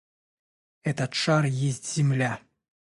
Этот шар есть земля.